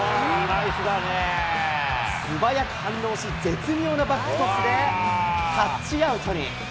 素早く反応し、絶妙なバックトスで、タッチアウトに。